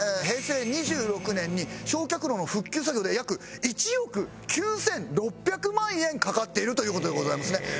平成２６年に焼却炉の復旧作業で約１億９６００万円かかっているという事でございますね。